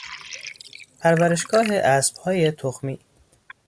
پرورشگاه اسبهای تخمی